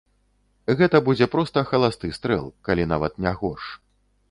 Гэта будзе проста халасты стрэл, калі нават не горш.